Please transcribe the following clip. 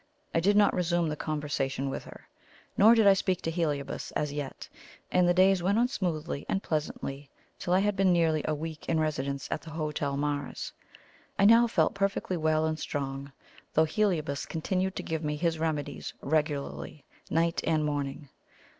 I did not resume the conversation with her, nor did I speak to Heliobas as yet, and the days went on smoothly and pleasantly till I had been nearly a week in residence at the Hotel Mars. I now felt perfectly well and strong, though Heliobas continued to give me his remedies regularly night and morning.